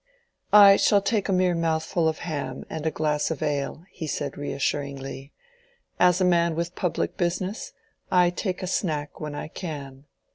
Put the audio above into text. "I shall take a mere mouthful of ham and a glass of ale," he said, reassuringly. "As a man with public business, I take a snack when I can.